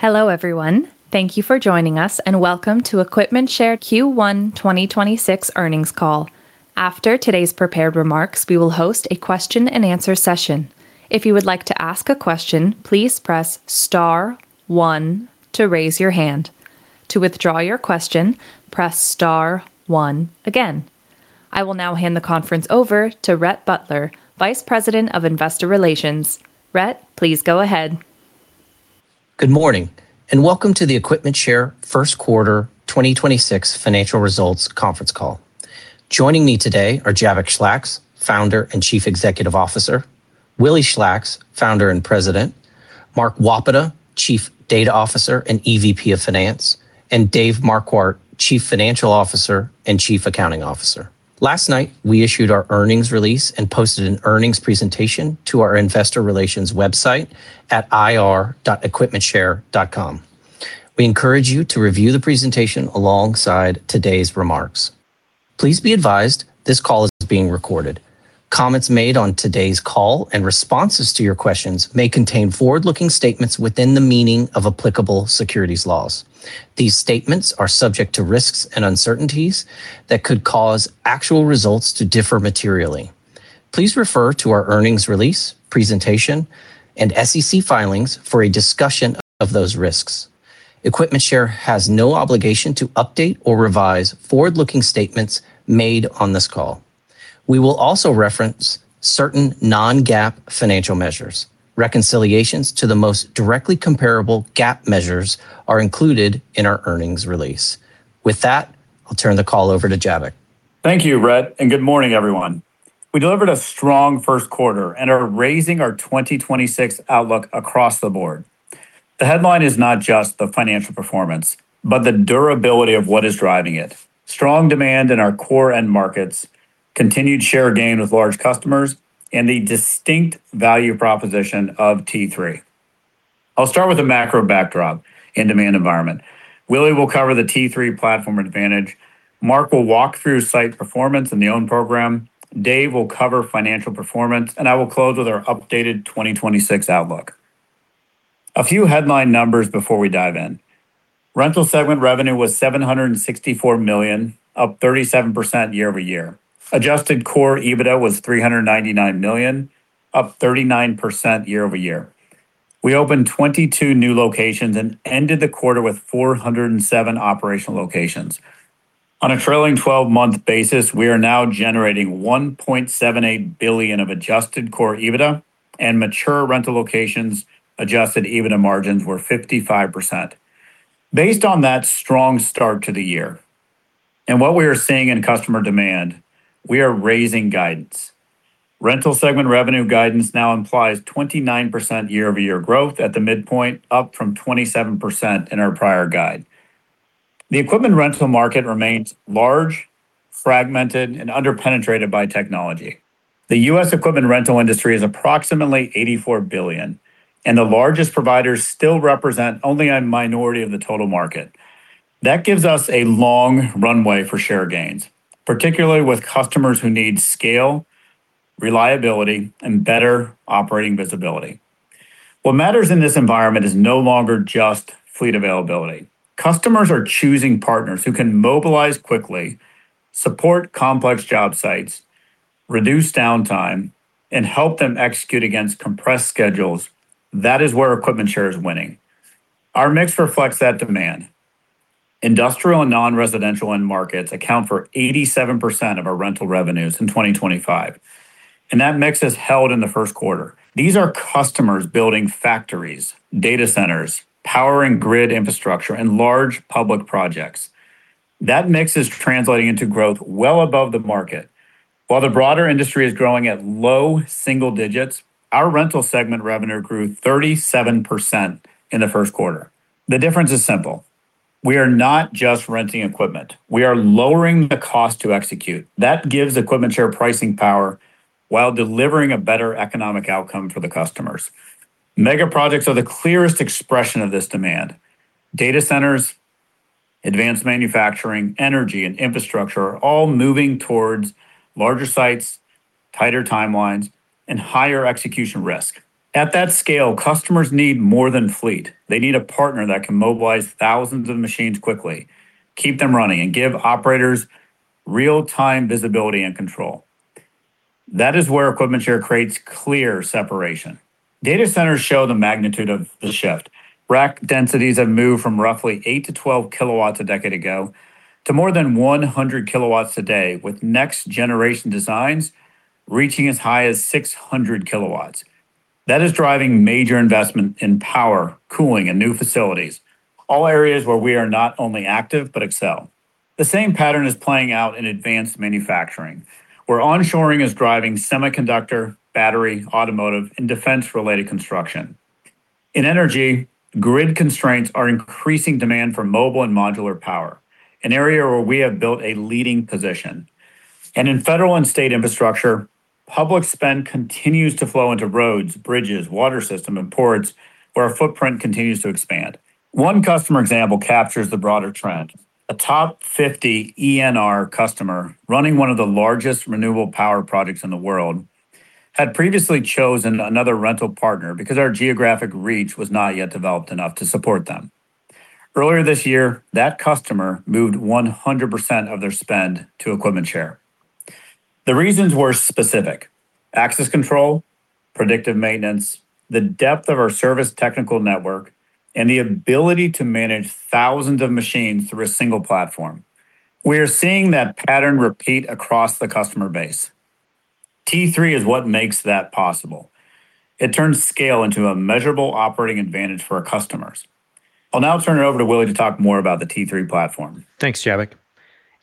Hello, everyone. Thank you for joining us, and welcome to EquipmentShare Q1 2026 earnings call. After today's prepared remarks, we will host a question and answer session. If you would like to ask a question, please press star one to raise your hand. To withdraw your question, press star one again. I will now hand the conference over to Rhett Butler, Vice President of Investor Relations. Rhett, please go ahead. Good morning, and welcome to the EquipmentShare First Quarter 2026 Financial Results Conference Call. Joining me today are Jabbok Schlacks, Founder and Chief Executive Officer, Willy Schlacks, Founder and President, Mark Wopata, Chief Data Officer and EVP of Finance, and Dave Marquardt, Chief Financial Officer and Chief Accounting Officer. Last night, we issued our earnings release and posted an earnings presentation to our Investor Relations website at ir.equipmentshare.com. We encourage you to review the presentation alongside today's remarks. Please be advised this call is being recorded. Comments made on today's call and responses to your questions may contain forward-looking statements within the meaning of applicable securities laws. These statements are subject to risks and uncertainties that could cause actual results to differ materially. Please refer to our earnings release, presentation, and SEC filings for a discussion of those risks. EquipmentShare has no obligation to update or revise forward-looking statements made on this call. We will also reference certain non-GAAP financial measures. Reconciliations to the most directly comparable GAAP measures are included in our earnings release. With that, I'll turn the call over to Jabbok. Thank you, Rhett, and good morning, everyone. We delivered a strong first quarter and are raising our 2026 outlook across the board. The headline is not just the financial performance, but the durability of what is driving it. Strong demand in our core end markets, continued share gain with large customers, and the distinct value proposition of T3. I'll start with a macro backdrop and demand environment. Willy will cover the T3 platform advantage. Mark will walk through site performance and the OWN Program. Dave will cover financial performance, and I will close with our updated 2026 outlook. A few headline numbers before we dive in. Rental segment revenue was $764 million, up 37% year-over-year. Adjusted core EBITDA was $399 million, up 39% year-over-year. We opened 22 new locations and ended the quarter with 407 operational locations. On a trailing 12-month basis, we are now generating $1.78 billion of Adjusted core EBITDA and mature rental locations Adjusted EBITDA margins were 55%. Based on that strong start to the year and what we are seeing in customer demand, we are raising guidance. Rental segment revenue guidance now implies 29% year-over-year growth at the midpoint, up from 27% in our prior guide. The equipment rental market remains large, fragmented, and under-penetrated by technology. The U.S. equipment rental industry is approximately $84 billion, and the largest providers still represent only a minority of the total market. That gives us a long runway for share gains, particularly with customers who need scale, reliability, and better operating visibility. What matters in this environment is no longer just fleet availability. Customers are choosing partners who can mobilize quickly, support complex job sites, reduce downtime, and help them execute against compressed schedules. That is where EquipmentShare is winning. Our mix reflects that demand. Industrial and non-residential end markets account for 87% of our rental revenues in 2025, and that mix has held in the first quarter. These are customers building factories, data centers, power and grid infrastructure, and large public projects. That mix is translating into growth well above the market. While the broader industry is growing at low single digits, our rental segment revenue grew 37% in the first quarter. The difference is simple. We are not just renting equipment. We are lowering the cost to execute. That gives EquipmentShare pricing power while delivering a better economic outcome for the customers. Mega projects are the clearest expression of this demand. Data centers, advanced manufacturing, energy, and infrastructure are all moving towards larger sites, tighter timelines, and higher execution risk. At that scale, customers need more than fleet. They need a partner that can mobilize thousands of machines quickly, keep them running, and give operators real-time visibility and control. That is where EquipmentShare creates clear separation. Data centers show the magnitude of the shift. Rack densities have moved from roughly 8 kW-12 kW a decade ago to more than 100 kW today, with next generation designs reaching as high as 600 kW. That is driving major investment in power, cooling, and new facilities, all areas where we are not only active, but excel. The same pattern is playing out in advanced manufacturing, where onshoring is driving semiconductor, battery, automotive, and defense-related construction. In energy, grid constraints are increasing demand for mobile and modular power, an area where we have built a leading position. In federal and state infrastructure, public spend continues to flow into roads, bridges, water system, and ports where our footprint continues to expand. One customer example captures the broader trend. A top 50 ENR customer running one of the largest renewable power projects in the world had previously chosen another rental partner because our geographic reach was not yet developed enough to support them. Earlier this year, that customer moved 100% of their spend to EquipmentShare. The reasons were specific: access control, predictive maintenance, the depth of our service technical network, and the ability to manage thousands of machines through a single platform. We are seeing that pattern repeat across the customer base. T3 is what makes that possible. It turns scale into a measurable operating advantage for our customers. I'll now turn it over to Willy to talk more about the T3 platform. Thanks, Jabbok.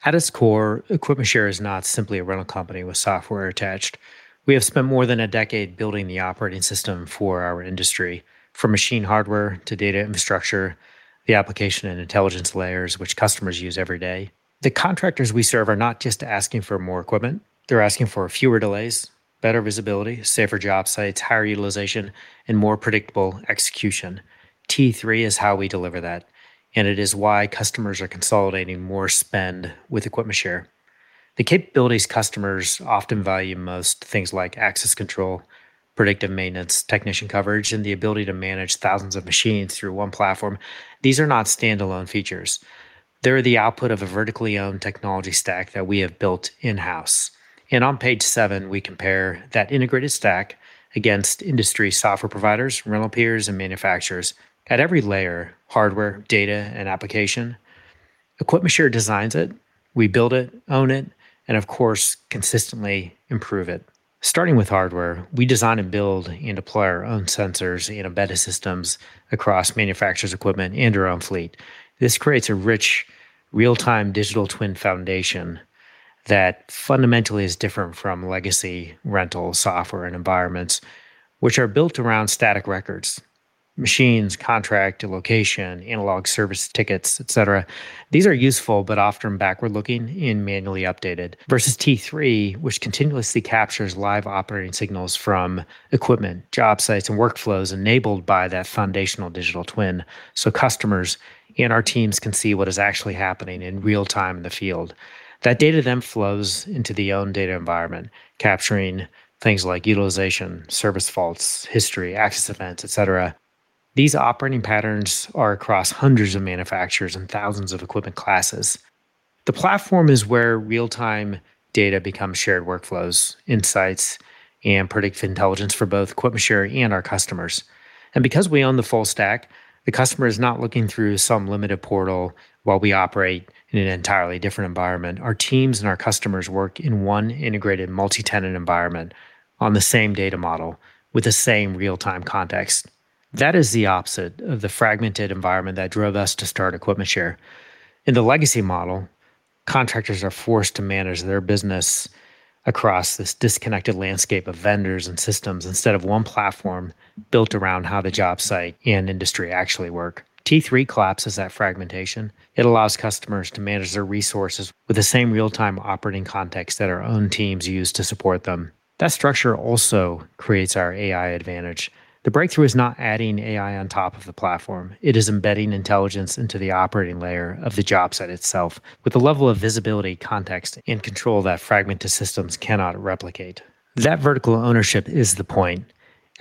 At its core, EquipmentShare is not simply a rental company with software attached. We have spent more than a decade building the operating system for our industry, from machine hardware to data infrastructure, the application and intelligence layers which customers use every day. The contractors we serve are not just asking for more equipment. They're asking for fewer delays, better visibility, safer job sites, higher utilization, and more predictable execution. T3 is how we deliver that. It is why customers are consolidating more spend with EquipmentShare. The capabilities customers often value most, things like access control, predictive maintenance, technician coverage, and the ability to manage thousands of machines through one platform, these are not standalone features. They're the output of a vertically owned technology stack that we have built in-house. On page seven, we compare that integrated stack against industry software providers, rental peers, and manufacturers at every layer: hardware, data, and application. EquipmentShare designs it, we build it, own it, and of course, consistently improve it. Starting with hardware, we design and build and deploy our own sensors and embedded systems across manufacturers' equipment and our own fleet. This creates a rich real-time digital twin foundation that fundamentally is different from legacy rental software and environments, which are built around static records, machines, contract to location, analog service tickets, et cetera. These are useful, often backward-looking and manually updated. Versus T3, which continuously captures live operating signals from equipment, job sites, and workflows enabled by that foundational digital twin, so customers and our teams can see what is actually happening in real-time in the field. That data then flows into the own data environment, capturing things like utilization, service faults, history, access events, et cetera. These operating patterns are across hundreds of manufacturers and thousands of equipment classes. The platform is where real-time data becomes shared workflows, insights, and predictive intelligence for both EquipmentShare and our customers. Because we own the full stack, the customer is not looking through some limited portal while we operate in an entirely different environment. Our teams and our customers work in one integrated multi-tenant environment on the same data model with the same real-time context. That is the opposite of the fragmented environment that drove us to start EquipmentShare. In the legacy model, contractors are forced to manage their business across this disconnected landscape of vendors and systems instead of one platform built around how the job site and industry actually work. T3 collapses that fragmentation. It allows customers to manage their resources with the same real-time operating context that our own teams use to support them. That structure also creates our AI advantage. The breakthrough is not adding AI on top of the platform. It is embedding intelligence into the operating layer of the job site itself with the level of visibility, context, and control that fragmented systems cannot replicate. That vertical ownership is the point.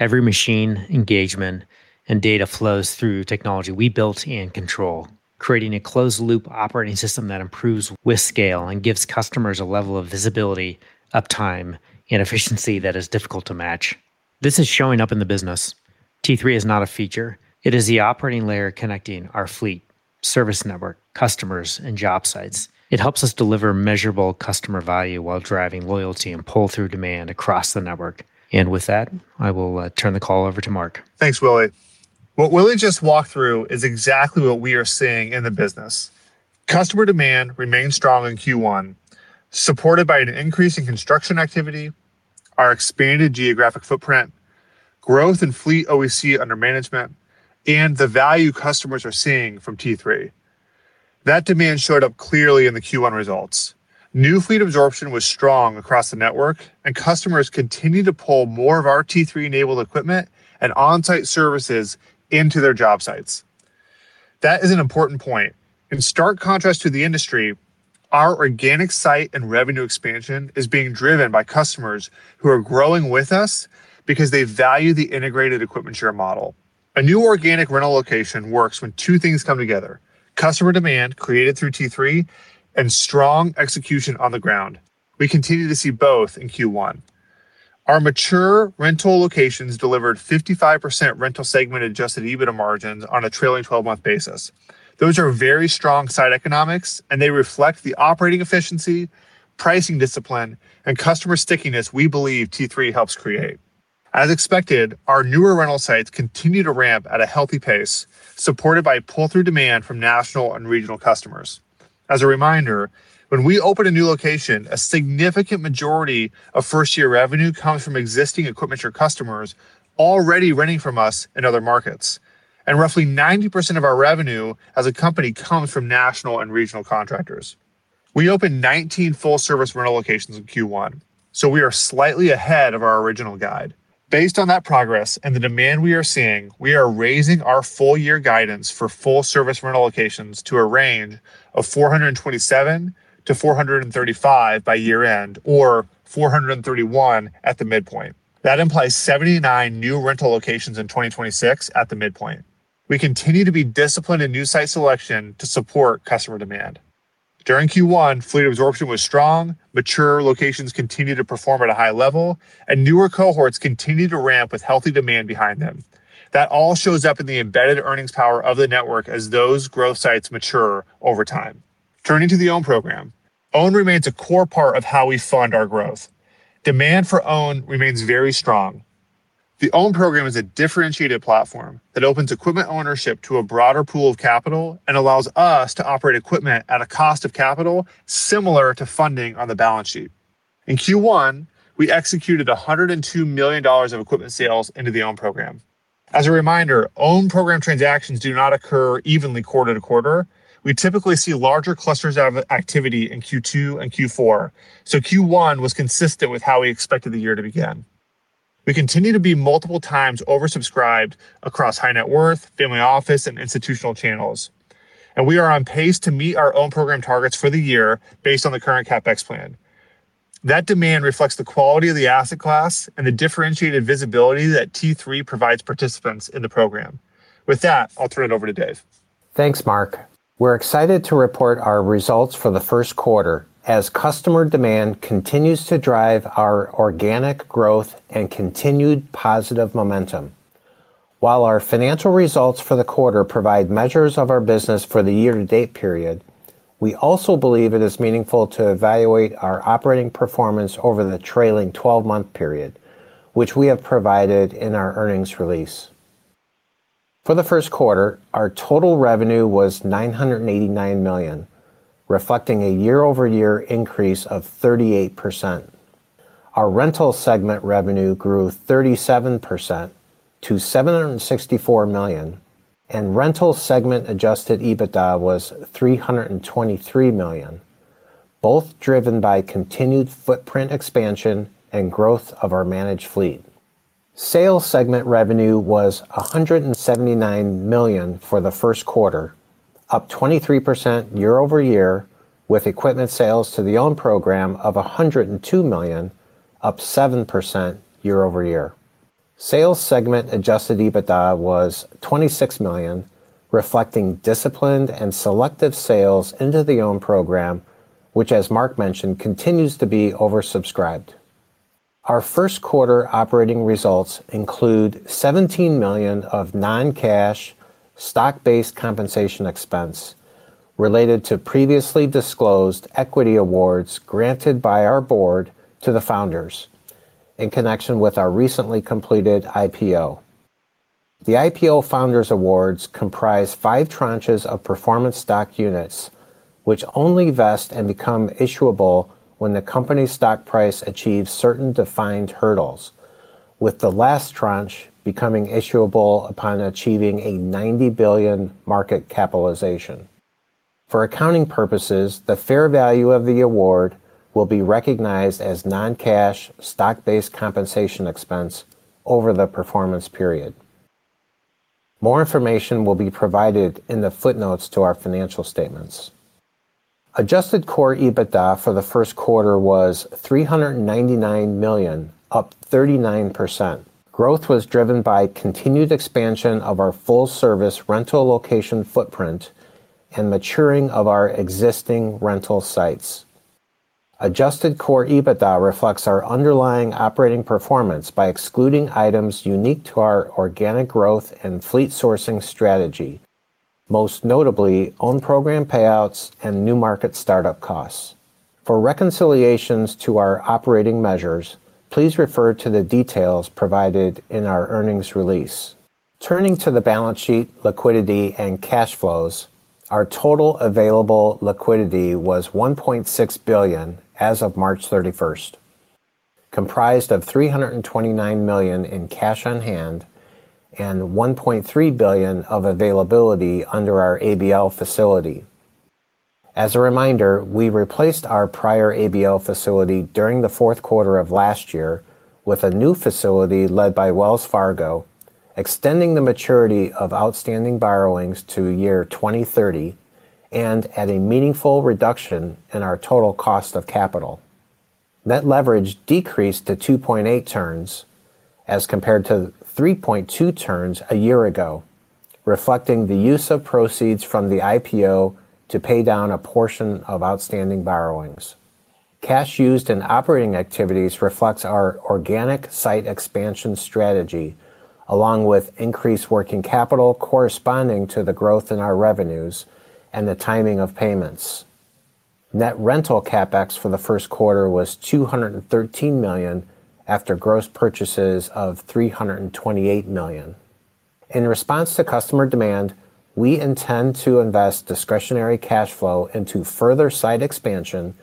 Every machine engagement and data flows through technology we built and control, creating a closed-loop operating system that improves with scale and gives customers a level of visibility, uptime, and efficiency that is difficult to match. This is showing up in the business. T3 is not a feature. It is the operating layer connecting our fleet, service network, customers, and job sites. It helps us deliver measurable customer value while driving loyalty and pull-through demand across the network. With that, I will turn the call over to Mark. Thanks, Willy. What Willy just walked through is exactly what we are seeing in the business. Customer demand remained strong in Q1, supported by an increase in construction activity, our expanded geographic footprint, growth in fleet OEC under management, and the value customers are seeing from T3. That demand showed up clearly in the Q1 results. New fleet absorption was strong across the network, and customers continued to pull more of our T3-enabled equipment and on-site services into their job sites. That is an important point. In stark contrast to the industry, our organic site and revenue expansion is being driven by customers who are growing with us because they value the integrated EquipmentShare model. A new organic rental location works when two things come together: customer demand created through T3 and strong execution on the ground. We continue to see both in Q1. Our mature rental locations delivered 55% rental segment adjusted EBITDA margins on a trailing 12-month basis. Those are very strong site economics, and they reflect the operating efficiency, pricing discipline, and customer stickiness we believe T3 helps create. As expected, our newer rental sites continue to ramp at a healthy pace, supported by pull-through demand from national and regional customers. As a reminder, when we open a new location, a significant majority of first-year revenue comes from existing EquipmentShare customers already renting from us in other markets. Roughly 90% of our revenue as a company comes from national and regional contractors. We opened 19 full-service rental locations in Q1, so we are slightly ahead of our original guide. Based on that progress and the demand we are seeing, we are raising our full-year guidance for full-service rental locations to a range of 427-435 by year-end, or 431 at the midpoint. That implies 79 new rental locations in 2026 at the midpoint. We continue to be disciplined in new site selection to support customer demand. During Q1, fleet absorption was strong, mature locations continued to perform at a high level, and newer cohorts continued to ramp with healthy demand behind them. That all shows up in the embedded earnings power of the network as those growth sites mature over time. Turning to the OWN Program. OWN remains a core part of how we fund our growth. Demand for OWN remains very strong. The OWN Program is a differentiated platform that opens equipment ownership to a broader pool of capital and allows us to operate equipment at a cost of capital similar to funding on the balance sheet. In Q1, we executed $102 million of equipment sales into the OWN Program. As a reminder, OWN Program transactions do not occur evenly quarter to quarter. We typically see larger clusters of activity in Q2 and Q4. Q1 was consistent with how we expected the year to begin. We continue to be multiple times oversubscribed across high net worth, family office, and institutional channels, and we are on pace to meet our OWN Program targets for the year based on the current CapEx plan. That demand reflects the quality of the asset class and the differentiated visibility that T3 provides participants in the program. With that, I'll turn it over to Dave. Thanks, Mark. We're excited to report our results for the first quarter as customer demand continues to drive our organic growth and continued positive momentum. While our financial results for the quarter provide measures of our business for the year-to-date period, we also believe it is meaningful to evaluate our operating performance over the trailing twelve-month period, which we have provided in our earnings release. For the first quarter, our total revenue was $989 million, reflecting a year-over-year increase of 38%. Our rental segment revenue grew 37% to $764 million, and rental segment adjusted EBITDA was $323 million, both driven by continued footprint expansion and growth of our managed fleet. Sales segment revenue was $179 million for the first quarter, up 23% year-over-year, with equipment sales to the OWN Program of $102 million, up 7% year-over-year. Sales segment adjusted EBITDA was $26 million, reflecting disciplined and selective sales into the OWN Program, which as Mark mentioned, continues to be oversubscribed. Our first quarter operating results include $17 million of non-cash stock-based compensation expense related to previously disclosed equity awards granted by our board to the founders in connection with our recently completed IPO. The IPO founders awards comprise five tranches of performance stock units which only vest and become issuable when the company's stock price achieves certain defined hurdles, with the last tranche becoming issuable upon achieving a $90 billion market capitalization. For accounting purposes, the fair value of the award will be recognized as non-cash stock-based compensation expense over the performance period. More information will be provided in the footnotes to our financial statements. Adjusted core EBITDA for the first quarter was $399 million, up 39%. Growth was driven by continued expansion of our full-service rental location footprint and maturing of our existing rental sites. Adjusted core EBITDA reflects our underlying operating performance by excluding items unique to our organic growth and fleet sourcing strategy, most notably OWN Program payouts and new market startup costs. For reconciliations to our operating measures, please refer to the details provided in our earnings release. Turning to the balance sheet, liquidity, and cash flows, our total available liquidity was $1.6 billion as of March 31st, comprised of $329 million in cash on hand and $1.3 billion of availability under our ABL facility. As a reminder, we replaced our prior ABL facility during the fourth quarter of last year with a new facility led by Wells Fargo, extending the maturity of outstanding borrowings to 2030 and at a meaningful reduction in our total cost of capital. Net leverage decreased to 2.8x turns as compared to 3.2x turns a year ago, reflecting the use of proceeds from the IPO to pay down a portion of outstanding borrowings. Cash used in operating activities reflects our organic site expansion strategy, along with increased working capital corresponding to the growth in our revenues and the timing of payments. Net rental CapEx for the first quarter was $213 million after gross purchases of $328 million. In response to customer demand, we intend to invest discretionary cash flow into further site expansion,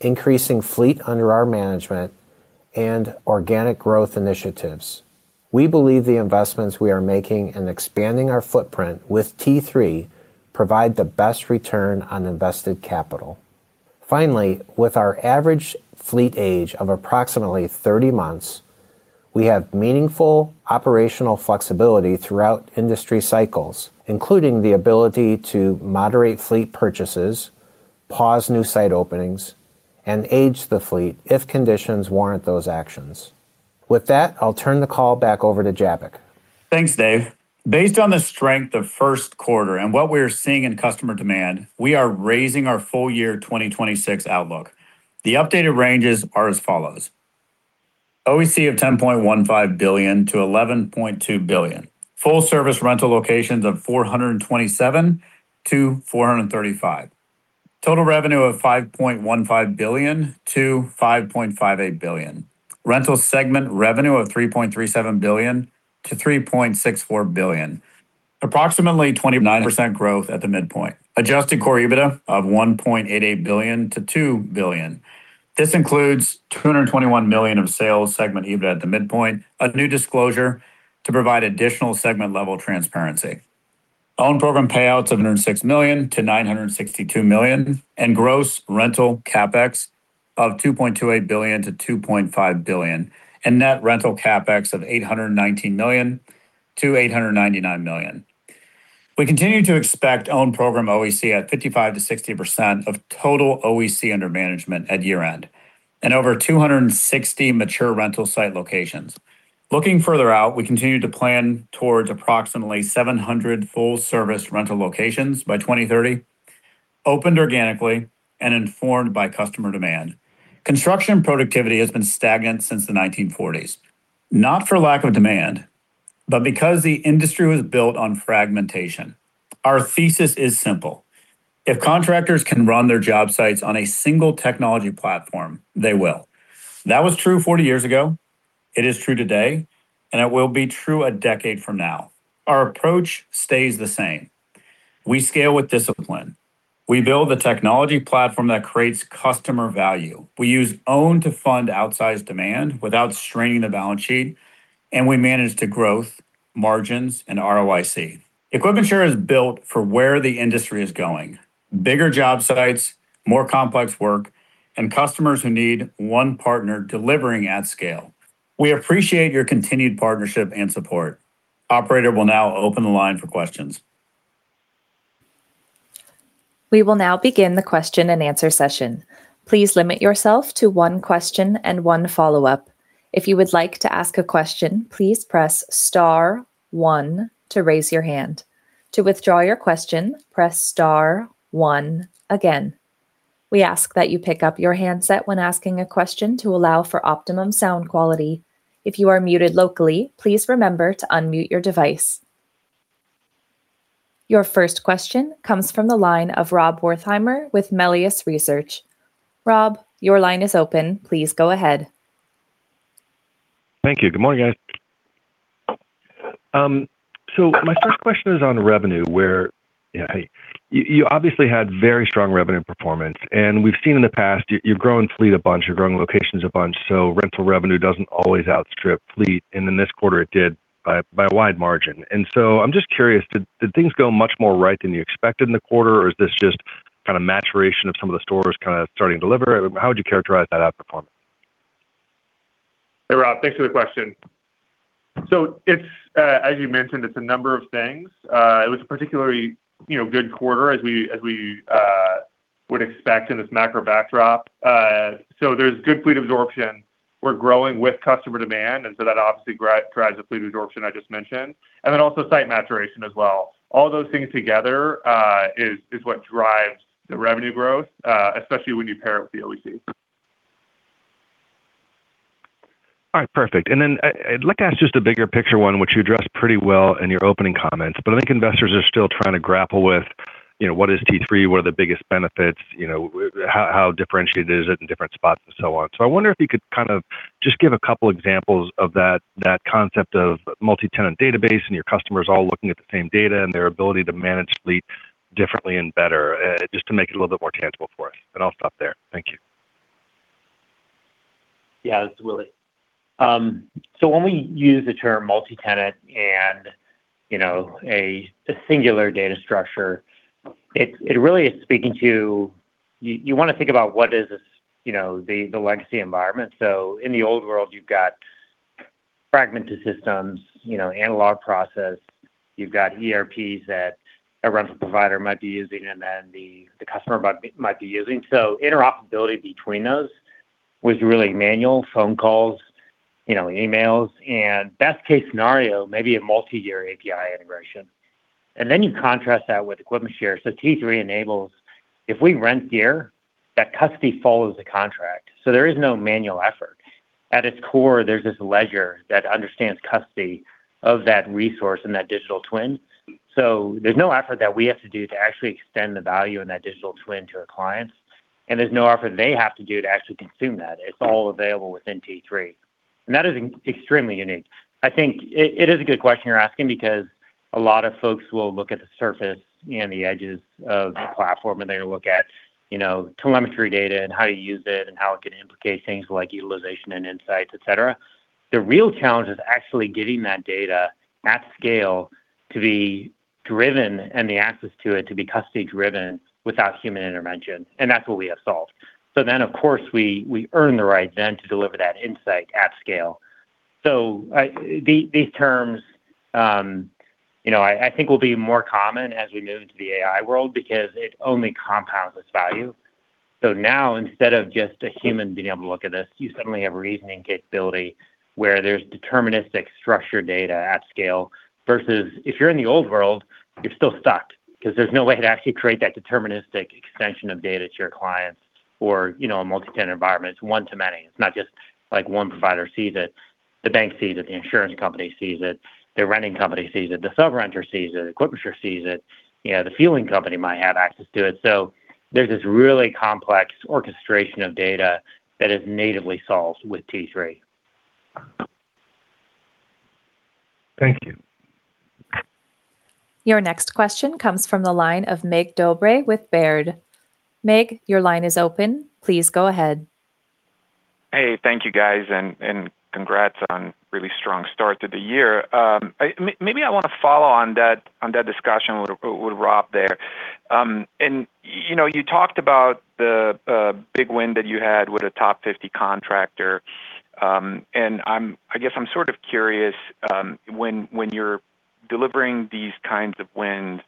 increasing fleet under our management. Organic growth initiatives. We believe the investments we are making in expanding our footprint with T3 provide the best return on invested capital. Finally, with our average fleet age of approximately 30 months, we have meaningful operational flexibility throughout industry cycles, including the ability to moderate fleet purchases, pause new site openings, and age the fleet if conditions warrant those actions. With that, I'll turn the call back over to Jabbok. Thanks, Dave. Based on the strength of first quarter and what we're seeing in customer demand, we are raising our full year 2026 outlook. The updated ranges are as follows: OEC of $10.15 billion-$11.2 billion. Full service rental locations of 427-435. Total revenue of $5.15 billion-$5.58 billion. Rental segment revenue of $3.37 billion-$3.64 billion. Approximately 29% growth at the midpoint. Adjusted core EBITDA of $1.88 billion-$2 billion. This includes $221 million of sales segment EBITDA at the midpoint, a new disclosure to provide additional segment-level transparency. OWN Program payouts of $906 million-$962 million, gross rental CapEx of $2.28 billion-$2.5 billion. Net rental CapEx of $819 million-$899 million. We continue to expect OWN Program OEC at 55%-60% of total OEC under management at year-end, and over 260 mature rental site locations. Looking further out, we continue to plan towards approximately 700 full-service rental locations by 2030, opened organically and informed by customer demand. Construction productivity has been stagnant since the 1940s. Not for lack of demand, but because the industry was built on fragmentation. Our thesis is simple: if contractors can run their job sites on a single technology platform, they will. That was true 40 years ago, it is true today, and it will be true a decade from now. Our approach stays the same. We scale with discipline. We build a technology platform that creates customer value. We use OWN to fund outsized demand without straining the balance sheet, and we manage to gross margins and ROIC. EquipmentShare is built for where the industry is going. Bigger job sites, more complex work, and customers who need one partner delivering at scale. We appreciate your continued partnership and support. Operator will now open the line for questions. We will now begin the question and answer session. Please limit yourself to one question and one follow-up. If you would like to ask a question, please press star one to raise your hand. To withdraw your question, press star one again. We ask that you pick up your handset when asking a question to allow for optimum sound quality. If you are muted locally, please remember to unmute your device. Your first question comes from the line of Rob Wertheimer with Melius Research. Rob, your line is open. Please go ahead. Thank you. Good morning, guys. My first question is on revenue, where, you know, you obviously had very strong revenue performance. We've seen in the past, you've grown fleet a bunch, you've grown locations a bunch. Rental revenue doesn't always outstrip fleet. In this quarter it did by a wide margin. I'm just curious, did things go much more right than you expected in the quarter? Or is this just kind of maturation of some of the stores kind of starting to deliver? How would you characterize that outperformance? Hey, Rob. Thanks for the question. It's, as you mentioned, it's a number of things. It was a particularly, you know, good quarter as we would expect in this macro backdrop. There's good fleet absorption. We're growing with customer demand, that obviously drives the fleet absorption I just mentioned. Also site maturation as well. All those things together is what drives the revenue growth, especially when you pair it with the OEC. All right. Perfect. Then, I'd like to ask just a bigger picture one, which you addressed pretty well in your opening comments. I think investors are still trying to grapple with, you know, what is T3, what are the biggest benefits, you know, how differentiated is it in different spots and so on. I wonder if you could kind of just give a couple examples of that concept of multi-tenant database and your customers all looking at the same data and their ability to manage fleet differently and better, just to make it a little bit more tangible for us. I'll stop there. Thank you. Yeah. This is Willy. When we use the term multi-tenant and, you know, a singular data structure, it really is speaking to you wanna think about what is this, you know, the legacy environment. In the old world, you've got fragmented systems, you know, analog process. You've got ERPs that a rental provider might be using and then the customer might be using. Interoperability between those was really manual phone calls, you know, emails, and best case scenario, maybe a multi-year API integration. Then you contrast that with EquipmentShare. T3 enables if we rent gear, that custody follows the contract. There is no manual effort. At its core, there's this ledger that understands custody of that resource and that digital twin. There's no effort that we have to do to actually extend the value in that digital twin to our clients. There's no effort they have to do to actually consume that. It's all available within T3. That is extremely unique. I think it is a good question you're asking because a lot of folks will look at the surface and the edges of the platform, and they look at, you know, telemetry data and how you use it and how it can implicate things like utilization and insights, et cetera. The real challenge is actually getting that data at scale to be driven and the access to it to be custody driven without human intervention, and that's what we have solved. Of course, we earn the right then to deliver that insight at scale. These terms, you know, I think will be more common as we move into the AI world because it only compounds its value. Now, instead of just a human being able to look at this, you suddenly have reasoning capability where there's deterministic structured data at scale, versus if you're in the old world, you're still stuck 'cause there's no way to actually create that deterministic extension of data to your clients or, you know, a multi-tenant environment. It's one to many. It's not just like one provider sees it, the bank sees it, the insurance company sees it, the renting company sees it, the sub-renter sees it, the EquipmentShare sees it. You know, the fueling company might have access to it. There's this really complex orchestration of data that is natively solved with T3. Thank you. Your next question comes from the line of Mig Dobre with Baird. Mig, your line is open. Please go ahead. Hey, thank you guys, and congrats on really strong start to the year. Maybe I wanna follow on that discussion with Rob there. You know, you talked about the big win that you had with a top 50 contractor. I guess I'm sort of curious, when you're delivering these kinds of wins,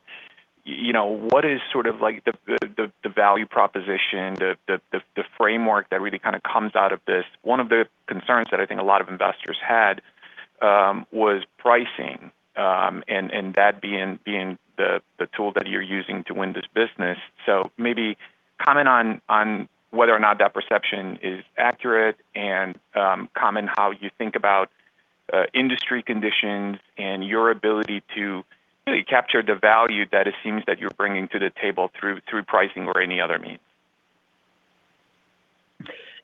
you know, what is sort of like the value proposition, the framework that really kinda comes out of this? One of the concerns that I think a lot of investors had was pricing, and that being the tool that you're using to win this business. Maybe comment on whether or not that perception is accurate and comment how you think about industry conditions and your ability to really capture the value that it seems that you're bringing to the table through pricing or any other means.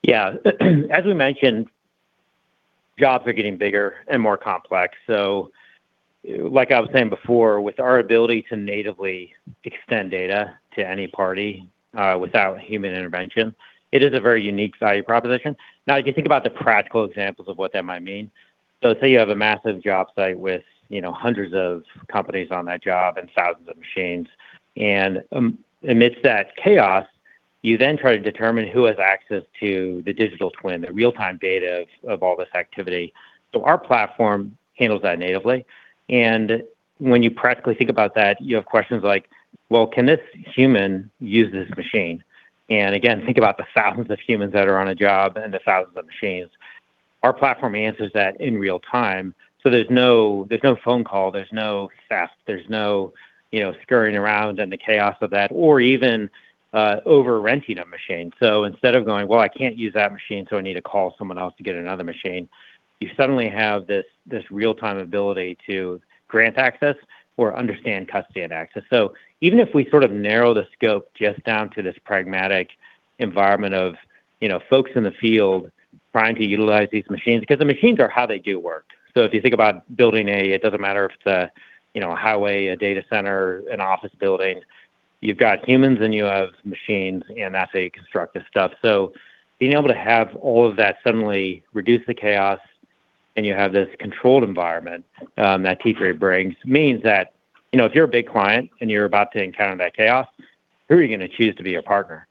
Yeah. As we mentioned, jobs are getting bigger and more complex. Like I was saying before, with our ability to natively extend data to any party, without human intervention, it is a very unique value proposition. If you think about the practical examples of what that might mean. Say you have a massive job site with, you know, hundreds of companies on that job and thousands of machines and, amidst that chaos, you then try to determine who has access to the digital twin, the real-time data of all this activity. Our platform handles that natively. When you practically think about that, you have questions like, "Well, can this human use this machine?" Again, think about the thousands of humans that are on a job and the thousands of machines. Our platform answers that in real time, so there's no phone call, there's no fax, there's no, you know, scurrying around and the chaos of that or even over-renting a machine. Instead of going, "Well, I can't use that machine, so I need to call someone else to get another machine." You suddenly have this real-time ability to grant access or understand custody and access. Even if we sort of narrow the scope just down to this pragmatic environment of, you know, folks in the field trying to utilize these machines, 'cause the machines are how they do work. If you think about building, it doesn't matter if it's a, you know, a highway, a data center, an office building, you've got humans and you have machines, and that's how you construct this stuff. Being able to have all of that suddenly reduce the chaos and you have this controlled environment, that T3 brings means that, you know, if you're a big client and you're about to encounter that chaos, who are you gonna choose to be your partner?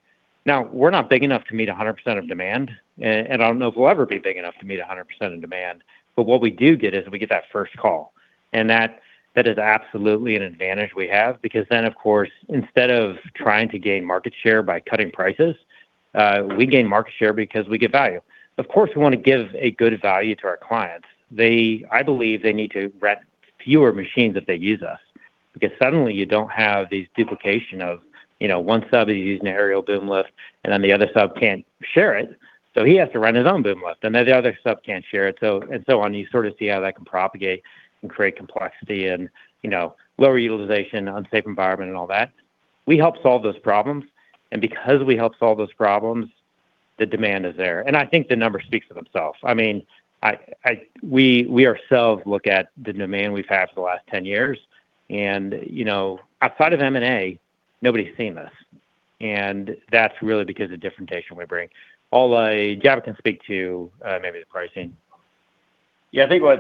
Now, we're not big enough to meet 100% of demand, and I don't know if we'll ever be big enough to meet 100% of demand. What we do get is we get that first call, and that is absolutely an advantage we have because then, of course, instead of trying to gain market share by cutting prices, we gain market share because we give value. Of course, we wanna give a good value to our clients. I believe they need to rent fewer machines if they use us because suddenly you don't have this duplication of, you know, one sub is using an aerial boom lift and then the other sub can't share it, so he has to rent his own boom lift, and then the other sub can't share it, so and so on, you sort of see how that can propagate and create complexity and, you know, lower utilization, unsafe environment and all that. We help solve those problems, and because we help solve those problems, the demand is there. I think the numbers speaks of itself. I mean, I, we ourselves look at the demand we've had for the last 10 years and, you know, outside of M&A, nobody's seen this, and that's really because of the differentiation we bring. Jabbok can speak to maybe the pricing. Thanks for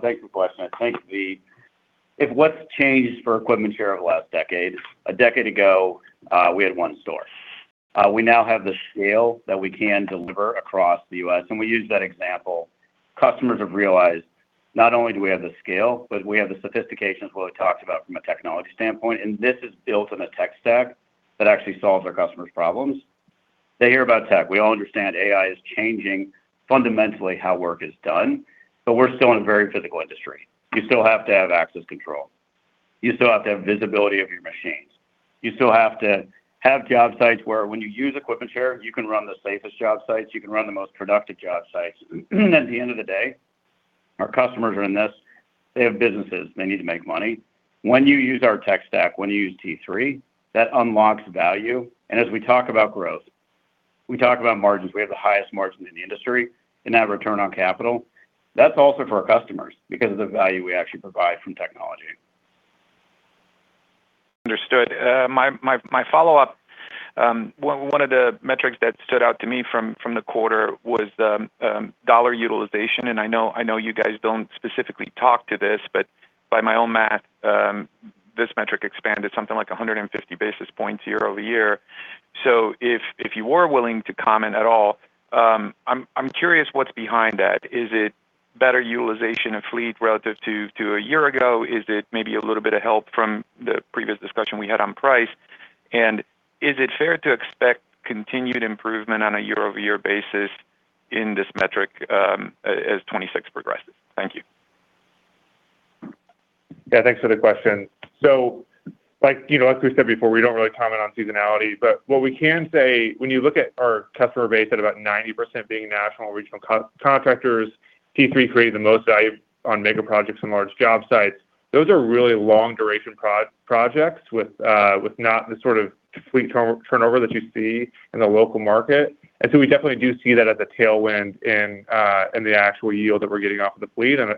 the question. If what's changed for EquipmentShare over the last decade, a decade ago, we had one store. We now have the scale that we can deliver across the U.S., and we use that example. Customers have realized not only do we have the scale, but we have the sophistication as well we talked about from a technology standpoint, and this is built on a tech stack that actually solves our customers' problems. They hear about tech. We all understand AI is changing fundamentally how work is done, but we're still in a very physical industry. You still have to have access control. You still have to have visibility of your machines. You still have to have job sites where when you use EquipmentShare, you can run the safest job sites, you can run the most productive job sites. At the end of the day, our customers are in this. They have businesses. They need to make money. When you use our tech stack, when you use T3, that unlocks value. As we talk about growth, we talk about margins. We have the highest margins in the industry and net return on capital. That's also for our customers because of the value we actually provide from technology. Understood. My follow-up, one of the metrics that stood out to me from the quarter was the dollar utilization. I know you guys don't specifically talk to this, but by my own math, this metric expanded something like 150 basis points year-over-year. If you were willing to comment at all, I'm curious what's behind that. Is it better utilization of fleet relative to a year ago? Is it maybe a little bit of help from the previous discussion we had on price? Is it fair to expect continued improvement on a year-over-year basis in this metric as 2026 progresses? Thank you. Yeah, thanks for the question. Like, you know, as we said before, we don't really comment on seasonality, but what we can say, when you look at our customer base at about 90% being national and regional co-contractors, T3 created the most value on mega projects and large job sites. Those are really long duration projects with not the sort of fleet turnover that you see in the local market. We definitely do see that as a tailwind in the actual yield that we're getting off of the fleet and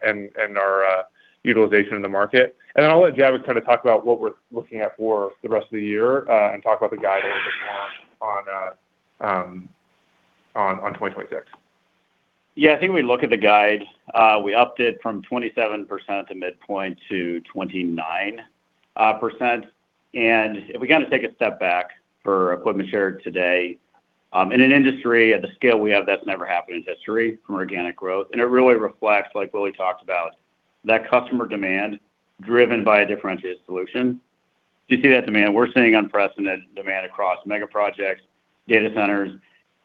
our utilization in the market. I'll let Jabbok kind of talk about what we're looking at for the rest of the year and talk about the guide a little bit more on 2026. Yeah, I think when we look at the guide, we upped it from 27% to midpoint to 29%. If we kind of take a step back for EquipmentShare today, in an industry at the scale we have, that's never happened in history from organic growth. It really reflects, like Willy talked about, that customer demand driven by a differentiated solution. You see that demand. We're seeing unprecedented demand across mega projects, data centers,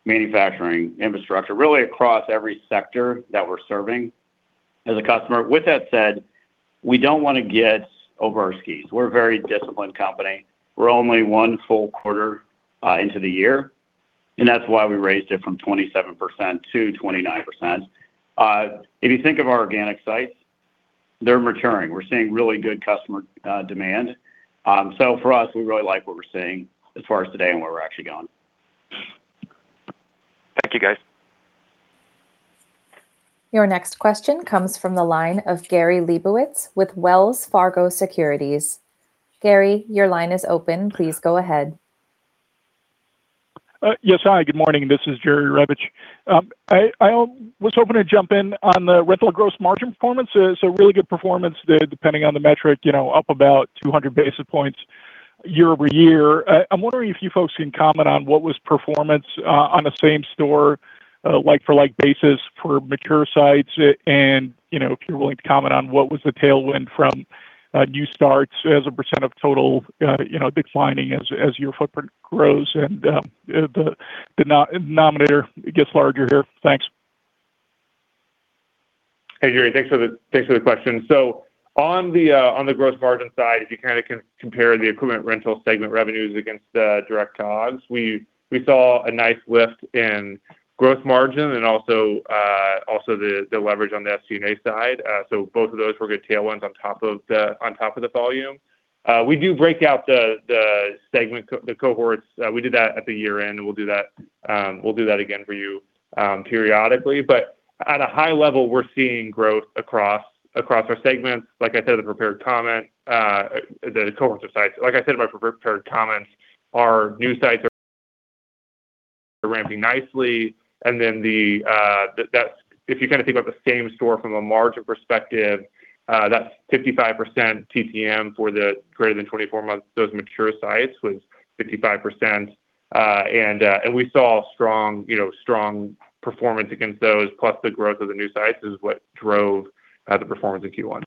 manufacturing, infrastructure, really across every sector that we're serving as a customer. With that said, we don't want to get over our skis. We're a very disciplined company. We're only one full quarter into the year, and that's why we raised it from 27% to 29%. If you think of our organic sites, they're maturing. We're seeing really good customer demand. For us, we really like what we're seeing as far as today and where we're actually going. Thank you, guys. Your next question comes from the line of Gary Liebowitz with Wells Fargo Securities. Gary, your line is open. Please go ahead. Yes, hi, good morning. This is Gary Liebowitz. I was hoping to jump in on the rental gross margin performance. It was a really good performance there, depending on the metric, you know, up about 200 basis points year-over-year. I'm wondering if you folks can comment on what was performance on a same store, like for like basis for mature sites. And, you know, if you're willing to comment on what was the tailwind from new starts as a percent of total, you know, declining as your footprint grows and the denominator gets larger here. Thanks. Hey, Gary. Thanks for the question. On the gross margin side, if you kinda can compare the equivalent rental segment revenues against the direct COGS, we saw a nice lift in gross margin and also the leverage on the SG&A side. Both of those were good tailwinds on top of the volume. We do break out the segment cohorts. We did that at the year-end, and we'll do that again for you periodically. At a high level, we're seeing growth across our segments. Like I said in the prepared comment, the cohorts of sites. Like I said in my prepared comments, our new sites are ramping nicely. If you kinda think about the same store from a margin perspective, that's 55% TTM for the greater than 24 months. Those mature sites was 55%. We saw strong, you know, strong performance against those, plus the growth of the new sites is what drove the performance in Q1.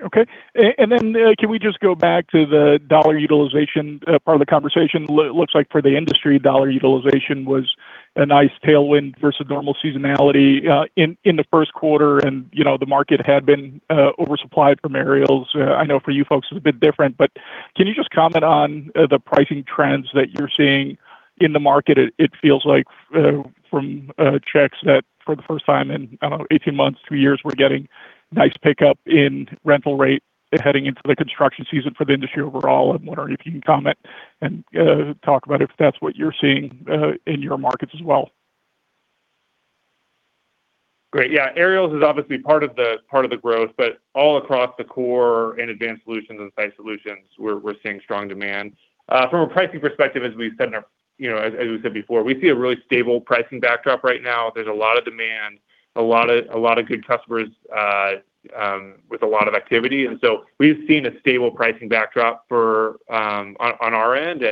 Okay. Then, can we just go back to the dollar utilization part of the conversation? Looks like for the industry, dollar utilization was a nice tailwind versus normal seasonality in the first quarter. You know, the market had been oversupplied from aerials. I know for you folks it's a bit different, but can you just comment on the pricing trends that you're seeing in the market? It feels like, from checks that for the first time in, I don't know, 18 months, two years, we're getting nice pickup in rental rate heading into the construction season for the industry overall. I'm wondering if you can comment and talk about if that's what you're seeing in your markets as well. Great. Aerials is obviously part of the growth, all across the core and Advanced Solutions and Site Solutions, we're seeing strong demand. From a pricing perspective, as we've said in our, you know, as we said before, we see a really stable pricing backdrop right now. There's a lot of demand, a lot of good customers with a lot of activity. We've seen a stable pricing backdrop for on our end.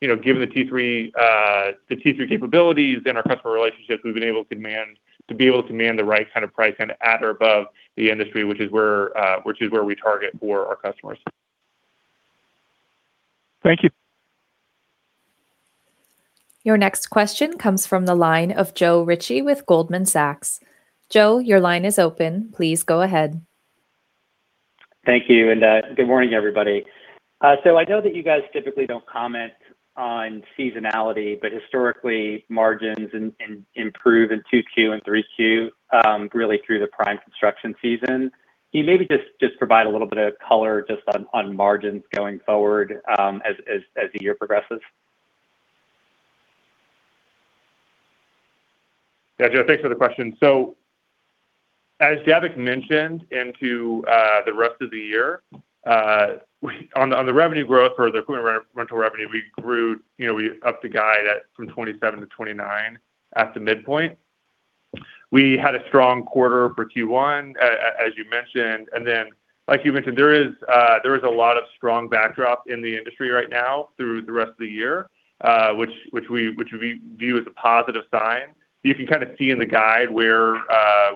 You know, given the T3 capabilities and our customer relationships, we've been able to command the right kind of price and at or above the industry, which is where we target for our customers. Thank you. Your next question comes from the line of Joe Ritchie with Goldman Sachs. Joe, your line is open. Please go ahead. Thank you. Good morning, everybody. I know that you guys typically don't comment on seasonality, but historically, margins improve in 2Q and 3Q really through the prime construction season. Can you maybe just provide a little bit of color on margins going forward as the year progresses? Yeah, Joe, thanks for the question. As Jabbok mentioned into the rest of the year, we, on the, on the revenue growth or the equipment rental revenue, we grew, you know, we upped the guide at, from 27% to 29% at the midpoint. We had a strong quarter for Q1, as you mentioned. Like you mentioned, there is a lot of strong backdrop in the industry right now through the rest of the year, which we, which we view as a positive sign. You can kind of see in the guide where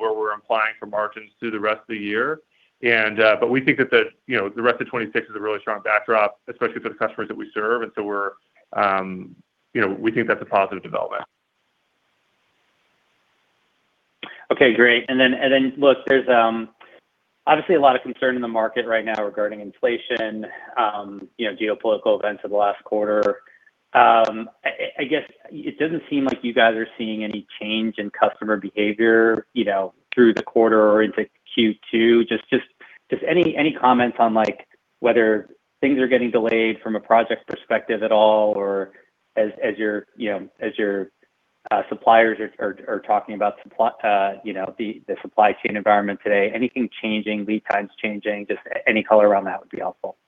we're implying for margins through the rest of the year. We think that the, you know, the rest of 2026 is a really strong backdrop, especially for the customers that we serve. We're, you know, we think that's a positive development. Okay, great. Look, there's obviously a lot of concern in the market right now regarding inflation, you know, geopolitical events of the last quarter. I guess it doesn't seem like you guys are seeing any change in customer behavior, you know, through the quarter or into Q2. Just any comments on like, whether things are getting delayed from a project perspective at all, or as your suppliers are talking about supply, you know, the supply chain environment today. Anything changing, lead times changing? Just any color around that would be helpful.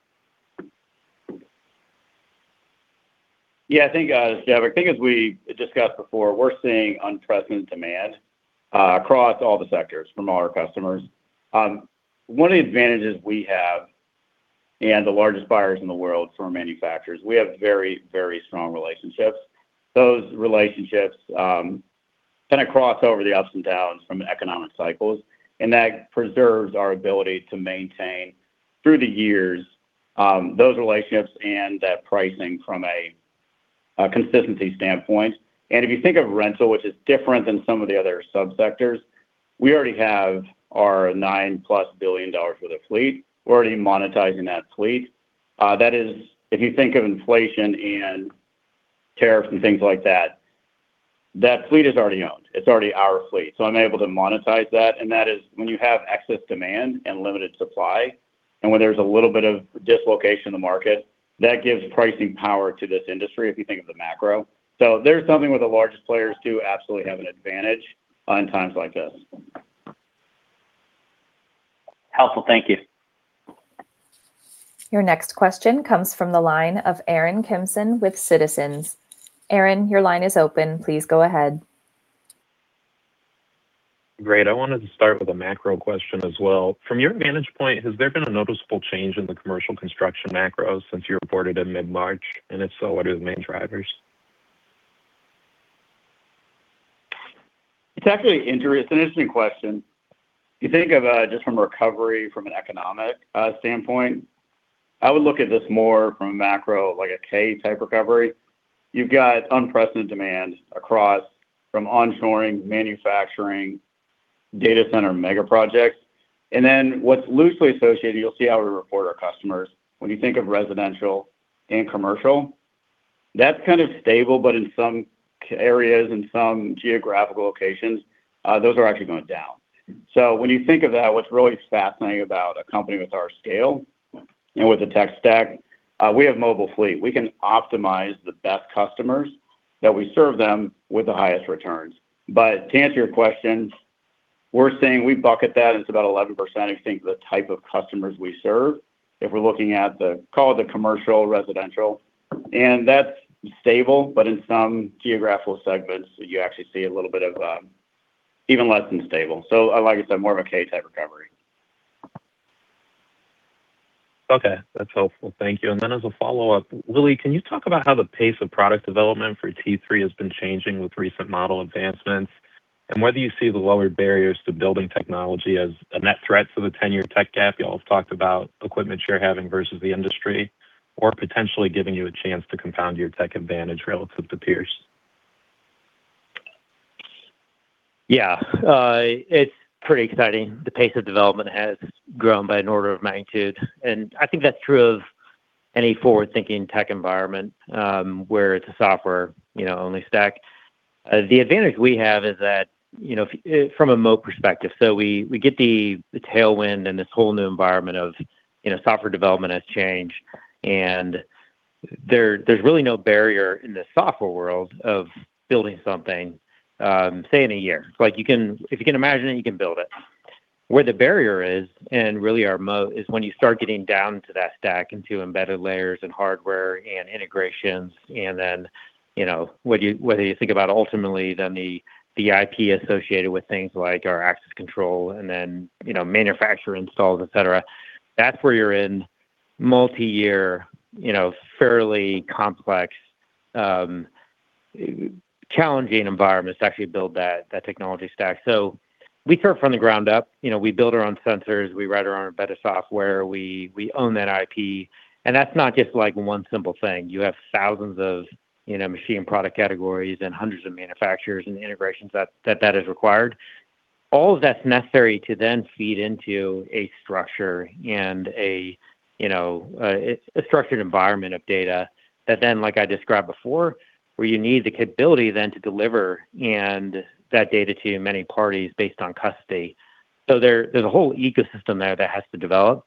Yeah. I think, it's Jabbok. I think as we discussed before, we're seeing unprecedented demand across all the sectors from all our customers. One of the advantages we have, and the largest buyers in the world for manufacturers, we have very, very strong relationships. Those relationships kind of cross over the ups and downs from economic cycles, and that preserves our ability to maintain through the years those relationships and that pricing from a consistency standpoint. If you think of rental, which is different than some of the other sub-sectors, we already have our $9+ billion worth of fleet. We're already monetizing that fleet. That is if you think of inflation and tariffs and things like that fleet is already owned. It's already our fleet. I'm able to monetize that, and that is when you have excess demand and limited supply, and when there's a little bit of dislocation in the market, that gives pricing power to this industry if you think of the macro. There's something where the largest players do absolutely have an advantage in times like this. Helpful. Thank you. Your next question comes from the line of Aaron Kimson with Citizens. Aaron, your line is open. Please go ahead. Great. I wanted to start with a macro question as well. From your vantage point, has there been a noticeable change in the commercial construction macro since you reported in mid-March? if so, what are the main drivers? It's actually an interesting question. You think of, just from a recovery from an economic, standpoint, I would look at this more from a macro, like a K-type recovery. You've got unprecedented demand across from onshoring manufacturing, data center mega projects. What's loosely associated, you'll see how we report our customers, when you think of residential and commercial, that's kind of stable, but in some areas and some geographical locations, those are actually going down. When you think of that, what's really fascinating about a company with our scale and with the tech stack, we have mobile fleet. We can optimize the best customers that we serve them with the highest returns. To answer your question, we're saying we bucket that as about 11%. I think the type of customers we serve, if we're looking at the, call it the commercial residential, and that's stable, but in some geographical segments you actually see a little bit of, even less than stable. Like I said, more of a K-type recovery. Okay. That's helpful. Thank you. As a follow-up, Willy, can you talk about how the pace of product development for T3 has been changing with recent model advancements? Whether you see the lowered barriers to building technology as a net threat to the ten-year tech gap y'all have talked about EquipmentShare having versus the industry, or potentially giving you a chance to compound your tech advantage relative to peers. Yeah. It's pretty exciting. The pace of development has grown by an order of magnitude, and I think that's true of any forward-thinking tech environment, where it's a software, you know, only stack. The advantage we have is that, you know, from a moat perspective. We get the tailwind and this whole new environment of, you know, software development has changed, and there's really no barrier in the software world of building something, say in a year. Like you can, if you can imagine it, you can build it. Where the barrier is and really our moat is when you start getting down to that stack into embedded layers and hardware and integrations and then, you know, whether you think about ultimately then the IP associated with things like our access control and then, you know, manufacture installs, et cetera. That's where you're in multi-year, you know, fairly complex, challenging environments to actually build that technology stack. We start from the ground up. You know, we build our own sensors. We write our own embedded software. We own that IP, and that's not just like one simple thing. You have thousands of, you know, machine product categories and hundreds of manufacturers and integrations that is required. All of that's necessary to then feed into a structure and a, you know, a structured environment of data that then, like I described before, where you need the capability then to deliver that data to many parties based on custody. There, there's a whole ecosystem there that has to develop.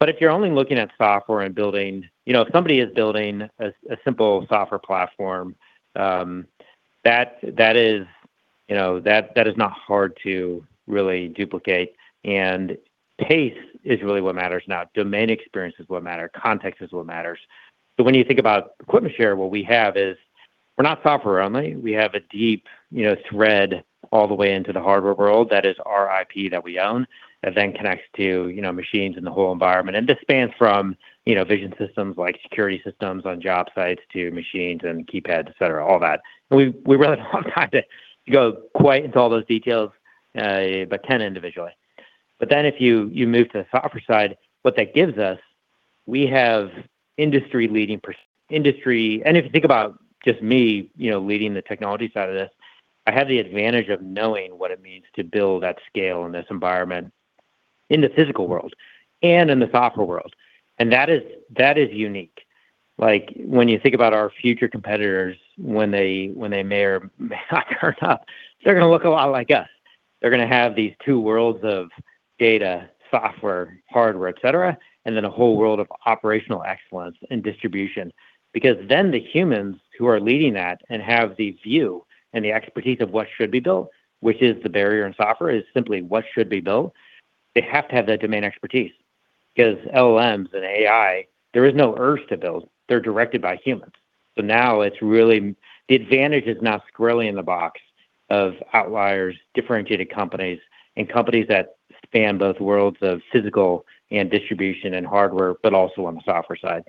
If you're only looking at software and building, you know, if somebody is building a simple software platform, that is, you know, that is not hard to really duplicate, and pace is really what matters now. Domain experience is what matter, context is what matters. When you think about EquipmentShare, what we have is we're not software only. We have a deep, you know, thread all the way into the hardware world that is our IP that we own and then connects to, you know, machines in the whole environment. This spans from, you know, vision systems like security systems on job sites to machines and keypads, et cetera, all that. We really don't have time to go quite into all those details, but can individually. If you move to the software side, what that gives us, we have industry-leading industry. If you think about just me, you know, leading the technology side of this, I have the advantage of knowing what it means to build at scale in this environment, in the physical world and in the software world, and that is unique. Like, when you think about our future competitors, when they may or may not turn up, they're gonna look a lot like us. They're gonna have these two worlds of data, software, hardware, et cetera, and then a whole world of operational excellence and distribution. Because then the humans who are leading that and have the view and the expertise of what should be built, which is the barrier in software, is simply what should be built. They have to have that domain expertise because LLMs and AI, there is no urge to build. They're directed by humans. Now it's really the advantage is not squarely in the box of outliers, differentiated companies, and companies that span both worlds of physical and distribution and hardware, but also on the software side.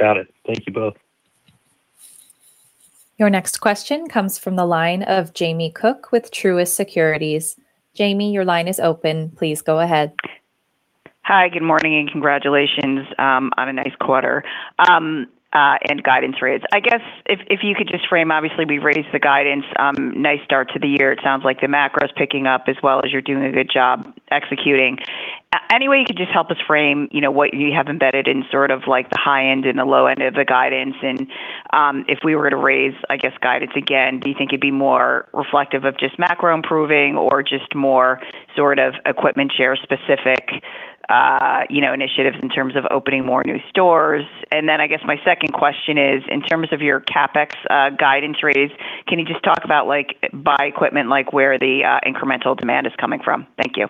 Got it. Thank you both. Your next question comes from the line of Jamie Cook with Truist Securities. Jamie, your line is open. Please go ahead. Hi, good morning, and congratulations on a nice quarter and guidance rates. I guess if you could just frame, obviously we raised the guidance, nice start to the year. It sounds like the macro is picking up as well as you're doing a good job executing. Any way you could just help us frame, you know, what you have embedded in sort of like the high end and the low end of the guidance? If we were to raise, I guess, guidance again, do you think it'd be more reflective of just macro improving or just more sort of EquipmentShare specific, you know, initiatives in terms of opening more new stores? I guess my second question is in terms of your CapEx guidance rates, can you just talk about like by equipment, like where the incremental demand is coming from? Thank you.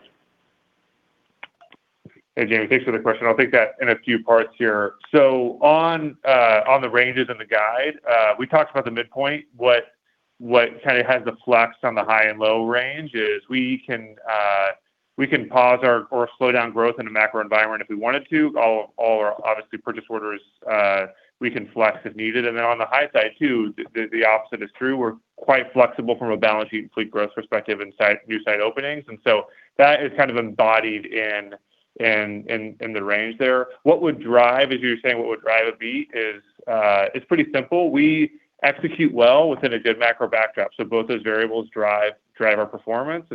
Hey, Jamie. Thanks for the question. I'll take that in a few parts here. On the ranges and the guide, we talked about the midpoint. What kind of has the flex on the high and low range is we can pause or slow down growth in the macro environment if we wanted to. All our obviously purchase orders, we can flex if needed. On the high side too, the opposite is true. We're quite flexible from a balance sheet and fleet growth perspective and new site openings, that is kind of embodied in the range there. What would drive, as you were saying, what would drive a beat is it's pretty simple. We execute well within a good macro backdrop, both those variables drive our performance.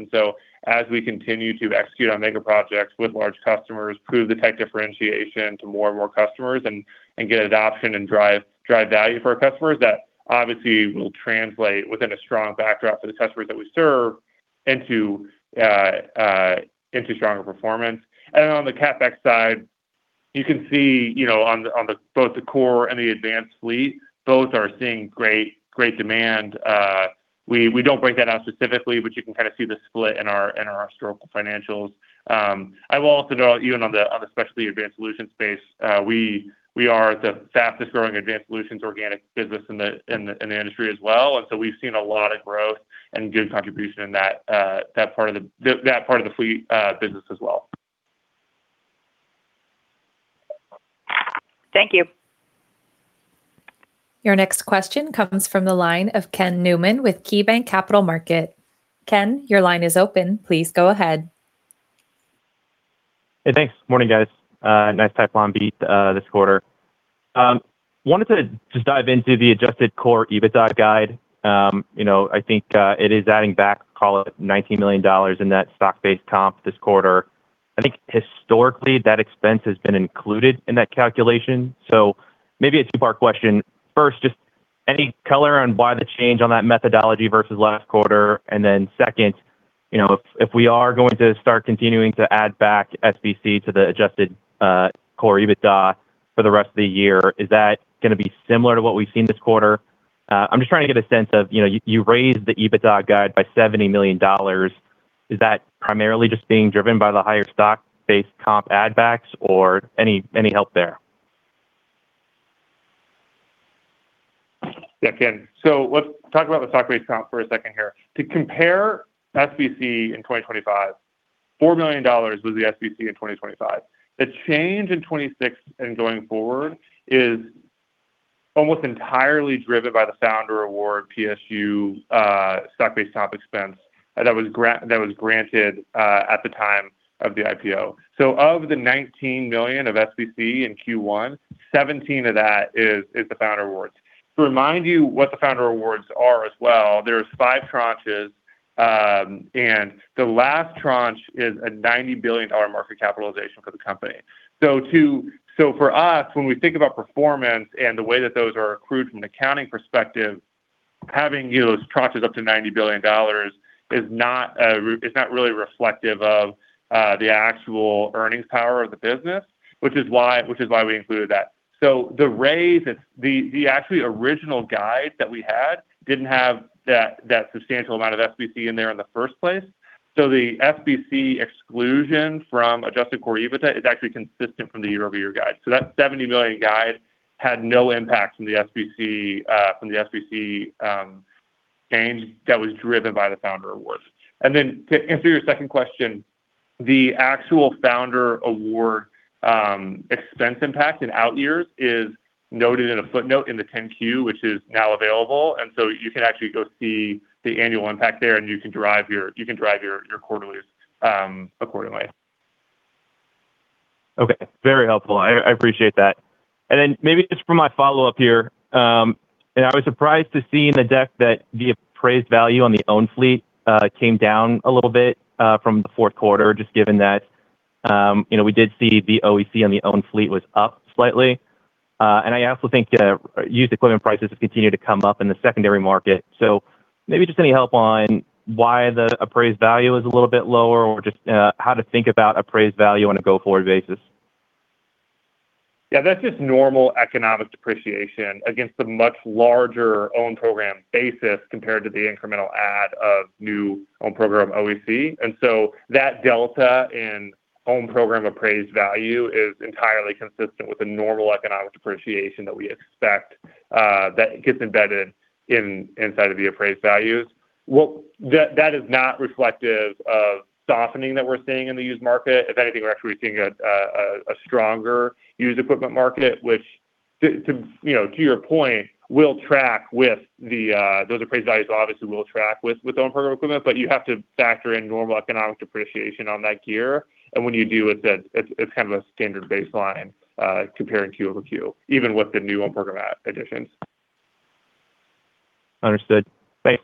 As we continue to execute on mega projects with large customers, prove the tech differentiation to more and more customers and get adoption and drive value for our customers, that obviously will translate within a strong backdrop for the customers that we serve into stronger performance. On the CapEx side, you can see, you know, on the both the core and the advanced fleet, both are seeing great demand. We don't break that out specifically, but you can kind of see the split in our historical financials. I will also note even on especially Advanced Solutions space, we are the fastest growing Advanced Solutions organic business in the industry as well. We've seen a lot of growth and good contribution in that part of the fleet business as well. Thank you. Your next question comes from the line of Ken Newman with KeyBanc Capital Markets. Ken, your line is open. Please go ahead. Hey, thanks. Morning, guys. Nice type one beat this quarter. Wanted to just dive into the adjusted core EBITDA guide. You know, I think, it is adding back, call it $19 million in that stock-based comp this quarter. I think historically, that expense has been included in that calculation. Maybe a two-part question. First, just any color on why the change on that methodology versus last quarter? Second, you know, if we are going to start continuing to add back SBC to the adjusted core EBITDA for the rest of the year, is that gonna be similar to what we've seen this quarter? I'm just trying to get a sense of, you know, you raised the EBITDA guide by $70 million. Is that primarily just being driven by the higher stock-based comp add backs or any help there? Yeah, Ken. Let's talk about the stock-based comp for a second here. To compare SBC in 2025, $4 million was the SBC in 2025. The change in 2026 and going forward is almost entirely driven by the founder award PSU stock-based comp expense that was granted at the time of the IPO. Of the $19 million of SBC in Q1, $17 million of that is the founder awards. To remind you what the founder awards are as well, there's five tranches, and the last tranche is a $90 billion market capitalization for the company. For us, when we think about performance and the way that those are accrued from an accounting perspective, having, you know, those tranches up to $90 billion is not really reflective of the actual earnings power of the business, which is why we included that. The raise, it's the actually original guide that we had didn't have that substantial amount of SBC in there in the first place. The SBC exclusion from adjusted core EBITDA is actually consistent from the year-over-year guide. That $70 million guide had no impact from the SBC gain that was driven by the founder awards. To answer your second question, the actual founder award expense impact in out years is noted in a footnote in the 10-Q, which is now available. You can actually go see the annual impact there, and you can derive your quarterlies accordingly. Okay. Very helpful. I appreciate that. Maybe just for my follow-up here, and I was surprised to see in the deck that the appraised value on the own fleet came down a little bit from the fourth quarter, just given that, you know, we did see the OEC on the own fleet was up slightly. And I also think used equipment prices have continued to come up in the secondary market. Maybe just any help on why the appraised value is a little bit lower or just how to think about appraised value on a go-forward basis. Yeah, that's just normal economic depreciation against the much larger OWN Program basis compared to the incremental add of new OWN Program OEC. That delta in OWN Program appraised value is entirely consistent with the normal economic depreciation that we expect that gets embedded inside of the appraised values. Well, that is not reflective of softening that we're seeing in the used market. If anything, we're actually seeing a stronger used equipment market, which to, you know, to your point, will track with the, those appraised values obviously will track with OWN Program equipment, but you have to factor in normal economic depreciation on that gear. When you do it's kind of a standard baseline comparing Q over Q, even with the new OWN Program additions. Understood. Thanks.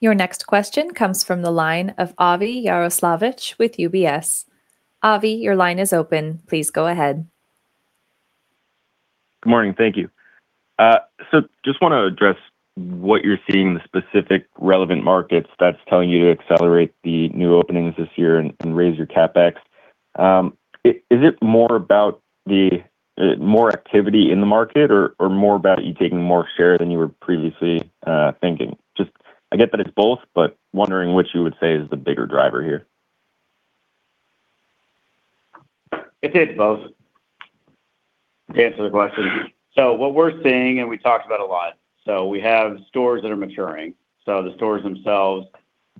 Your next question comes from the line of Avi Jaroslawicz with UBS. Avi, your line is open. Please go ahead. Good morning. Thank you. Just wanna address what you're seeing, the specific relevant markets that's telling you to accelerate the new openings this year and raise your CapEx. Is it more about the more activity in the market or more about you taking more share than you were previously thinking? Just I get that it's both, but wondering what you would say is the bigger driver here. It is both, to answer the question. What we're seeing, and we talked about a lot. We have stores that are maturing. The stores themselves,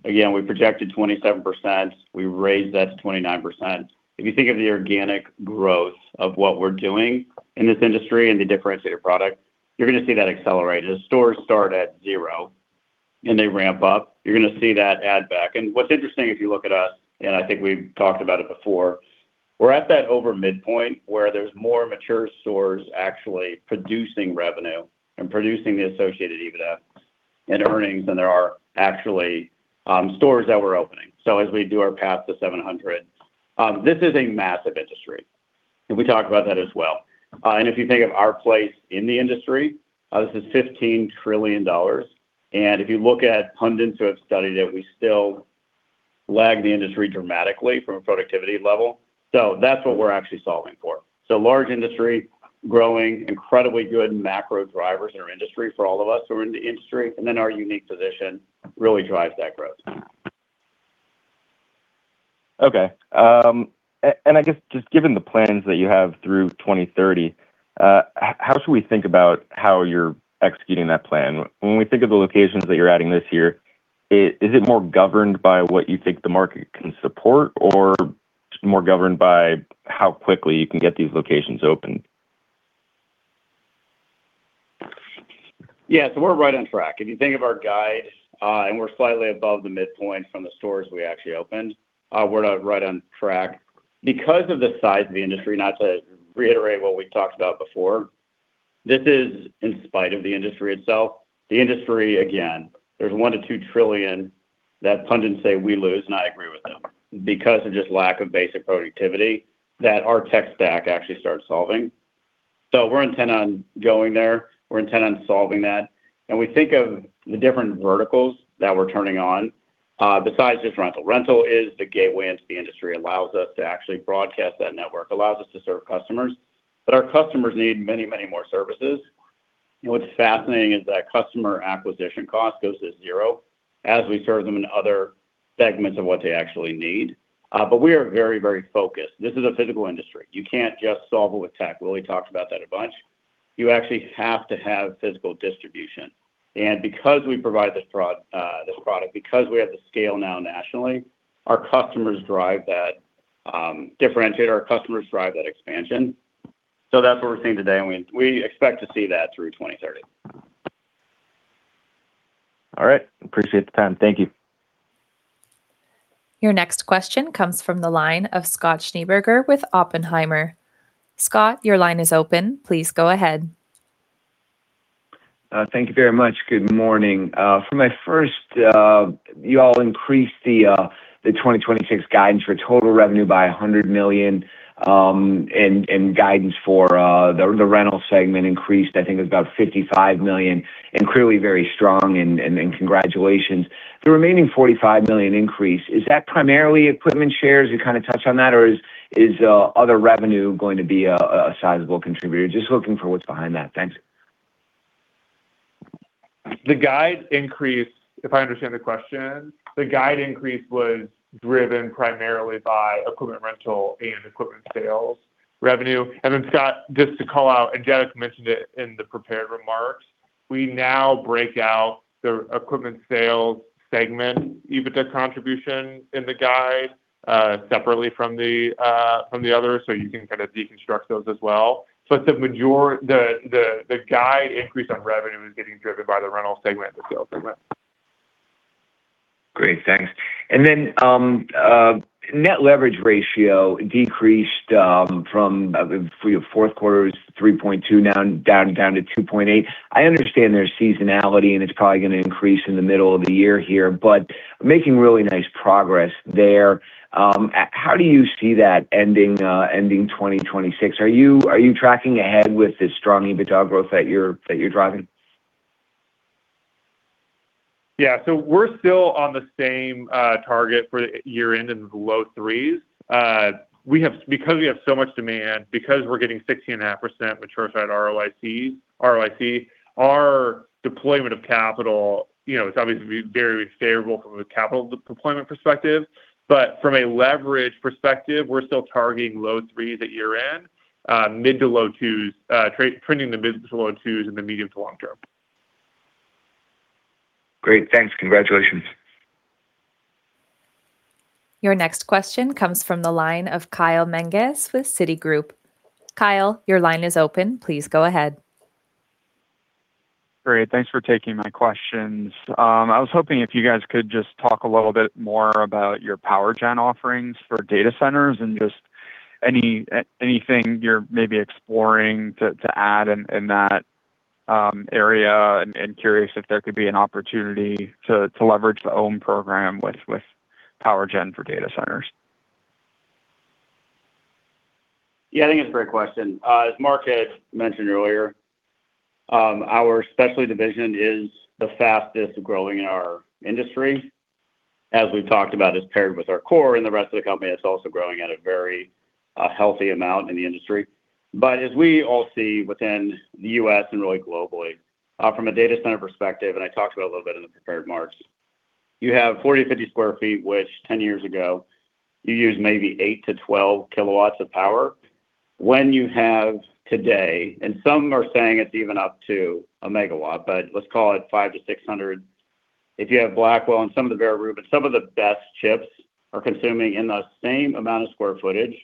again, we projected 27%. We raised that to 29%. If you think of the organic growth of what we're doing in this industry and the differentiator product, you're gonna see that accelerated. The stores start at zero and they ramp up. You're gonna see that add back. What's interesting, if you look at us, and I think we've talked about it before, we're at that over midpoint where there's more mature stores actually producing revenue and producing the associated EBITDA and earnings than there are actually stores that we're opening. As we do our path to 700, this is a massive industry, and we talked about that as well. If you think of our place in the industry, this is $15 trillion. If you look at pundits who have studied it, we still lag the industry dramatically from a productivity level. That's what we're actually solving for. Large industry, growing incredibly good macro drivers in our industry for all of us who are in the industry, and then our unique position really drives that growth. Okay. I guess just given the plans that you have through 2030, how should we think about how you're executing that plan? When we think of the locations that you're adding this year, is it more governed by what you think the market can support or just more governed by how quickly you can get these locations open? Yeah. We're right on track. If you think of our guide, and we're slightly above the midpoint from the stores we actually opened, we're right on track. Because of the size of the industry, not to reiterate what we talked about before, this is in spite of the industry itself. The industry, again, there's one to two trillion that pundits say we lose, and I agree with them, because of just lack of basic productivity that our tech stack actually starts solving. We're intent on going there. We're intent on solving that. We think of the different verticals that we're turning on, besides just rental. Rental is the gateway into the industry. Allows us to actually broadcast that network, allows us to serve customers. Our customers need many, many more services. What's fascinating is that customer acquisition cost goes to zero as we serve them in other segments of what they actually need. We are very, very focused. This is a physical industry. You can't just solve it with tech. Willy talked about that a bunch. You actually have to have physical distribution. Because we provide this product, because we have the scale now nationally, our customers drive that, differentiate, our customers drive that expansion. That's what we're seeing today, and we expect to see that through 2030. All right. Appreciate the time. Thank you. Your next question comes from the line of Scott Schneeberger with Oppenheimer. Scott, your line is open. Please go ahead. Thank you very much. Good morning. For my first, you all increased the 2026 guidance for total revenue by $100 million, and guidance for the rental segment increased, I think it was about $55 million, and clearly very strong and congratulations. The remaining $45 million increase, is that primarily equipment shares? You kinda touched on that. Is other revenue going to be a sizable contributor? Just looking for what's behind that. Thanks. The guide increase, if I understand the question, the guide increase was driven primarily by equipment rental and equipment sales revenue. Then Scott, just to call out, and Jabbok mentioned it in the prepared remarks, we now break out the equipment sales segment, EBITDA contribution in the guide, separately from the other, so you can kind of deconstruct those as well. It's the guide increase on revenue is getting driven by the rental segment itself. Great. Thanks. Net leverage ratio decreased from the fourth quarter was 3.2x now down to 2.8x. I understand there's seasonality, and it's probably gonna increase in the middle of the year here, but making really nice progress there. How do you see that ending 2026? Are you tracking ahead with the strong EBITDA growth that you're driving? Yeah. We're still on the same target for year-end in the low 3%. Because we have so much demand, because we're getting 60.5% mature side ROIC, our deployment of capital, you know, is obviously very favorable from a capital deployment perspective. From a leverage perspective, we're still targeting low 3% at year-end, mid to low 2%, trending the mid to low 2% in the medium to long term. Great. Thanks. Congratulations. Your next question comes from the line of Kyle Menges with Citigroup. Kyle, your line is open. Please go ahead. Great. Thanks for taking my questions. I was hoping if you guys could just talk a little bit more about your power gen offerings for data centers and just anything you're maybe exploring to add in that area. Curious if there could be an opportunity to leverage the OWN Program with power gen for data centers. Yeah, I think it's a great question. As Mark had mentioned earlier, our specialty division is the fastest-growing in our industry. As we've talked about, it's paired with our core, and the rest of the company is also growing at a very healthy amount in the industry. As we all see within the U.S. and really globally from a data center perspective, and I talked about it a little bit in the prepared remarks, you have 40-50 sq ft, which 10 years ago you used maybe 8 kW-12 kW of power. When you have today, and some are saying it's even up to a megawatt, but let's call it 500 kW-600 kW. If you have Blackwell and some of the Vera Rubin, but some of the best chips are consuming in the same amount of square footage,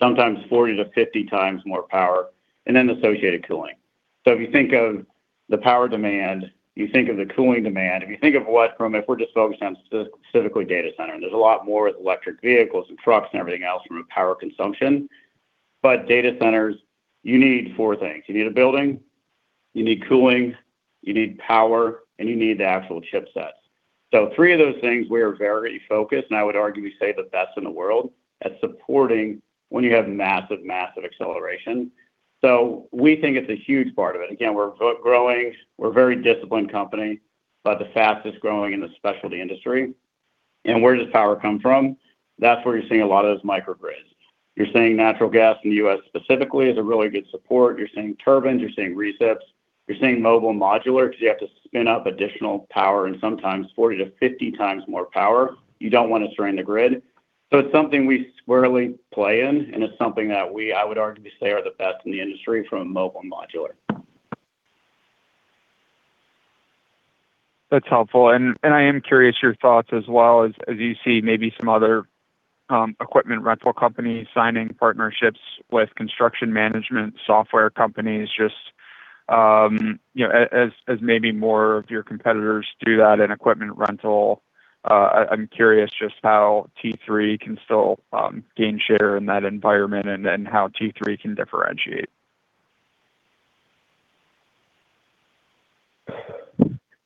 sometimes 40x-50x more power and then associated cooling. If you think of the power demand, you think of the cooling demand. If you think of what, from if we're just focused on specifically data center, and there's a lot more with electric vehicles and trucks and everything else from a power consumption. Data centers, you need four things. You need a building, you need cooling, you need power, and you need the actual chipsets. Three of those things, we are very focused, and I would argue we say the best in the world at supporting when you have massive acceleration. We think it's a huge part of it. Again, we're growing, we're a very disciplined company, but the fastest-growing in the specialty industry. Where does power come from? That's where you're seeing a lot of those microgrids. You're seeing natural gas in the U.S. specifically as a really good support. You're seeing turbines, you're seeing recips, you're seeing mobile modular because you have to spin up additional power and sometimes 40x-50x more power. You don't wanna strain the grid. It's something we squarely play in, and it's something that we, I would arguably say, are the best in the industry from a mobile modular. That's helpful. I am curious your thoughts as well as you see maybe some other equipment rental companies signing partnerships with construction management software companies just, you know, as maybe more of your competitors do that in equipment rental. I'm curious just how T3 can still gain share in that environment and how T3 can differentiate.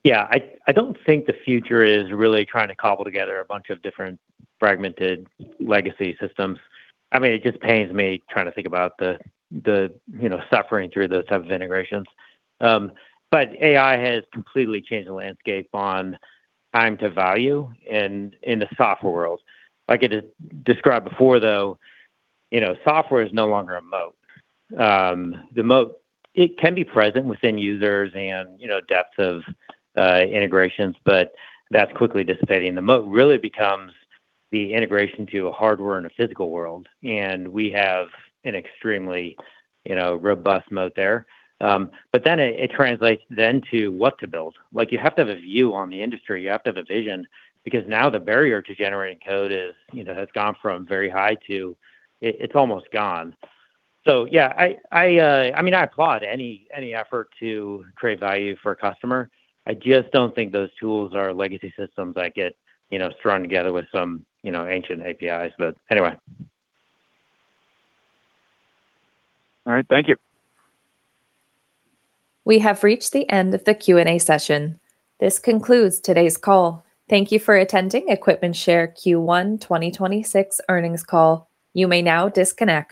Yeah. I don't think the future is really trying to cobble together a bunch of different fragmented legacy systems. I mean, it just pains me trying to think about the, you know, suffering through those types of integrations. AI has completely changed the landscape on time to value and in the software world. Like I described before, though, you know, software is no longer a moat. The moat, it can be present within users and, you know, depth of integrations, but that's quickly dissipating. The moat really becomes the integration to hardware in a physical world, and we have an extremely, you know, robust moat there. It translates then to what to build. Like, you have to have a view on the industry, you have to have a vision because now the barrier to generating code is, you know, has gone from very high to it's almost gone. Yeah, I mean, I applaud any effort to create value for a customer. I just don't think those tools are legacy systems that get, you know, thrown together with some, you know, ancient APIs. Anyway. All right. Thank you. We have reached the end of the Q&A session. This concludes today's call. Thank you for attending EquipmentShare Q1 2026 earnings call. You may now disconnect